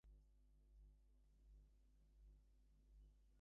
That was enough to allow Motorola to sue.